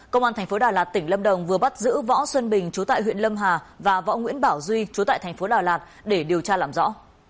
công an thành phố đà lạt tỉnh lâm đồng vừa bắt giữ võ xuân bình chú tại huyện lâm hà và võ nguyễn bảo duy chú tại thành phố đà lạt để điều tra làm rõ